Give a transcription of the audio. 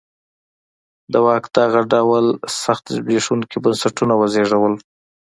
د واک دغه ډول سخت زبېښونکي بنسټونه وزېږول.